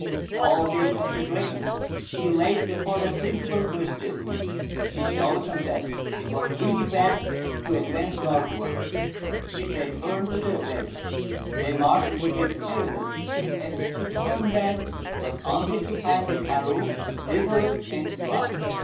All these considerations he laid before the principal Bochjes men. He showed them that it was really best to advance northwards. If they turned to the west, their march would be perilous, and to turn back was only to find the karroo desolate and dry.